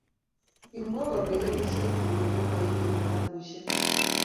kimwa kole karisheck Chun komoipe kitabusheck